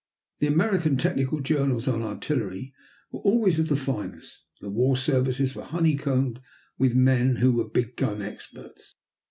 The American technical journals on artillery were always of the finest. The war services were honeycombed with men who were big gun experts.